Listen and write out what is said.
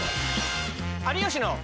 「有吉の」。